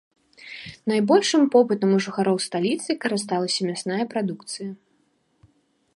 Найбольшым попытам у жыхароў сталіцы карысталася мясная прадукцыя.